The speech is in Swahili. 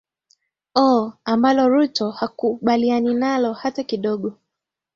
o ambalo ruto hakubaliani nalo hata kidogo